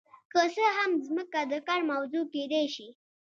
که څه هم ځمکه د کار موضوع کیدای شي.